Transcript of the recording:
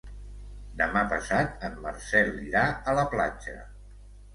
Demà passat en Marcel irà a la platja.